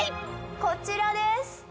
こちらです！